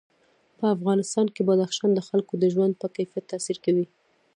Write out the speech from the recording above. په افغانستان کې بدخشان د خلکو د ژوند په کیفیت تاثیر کوي.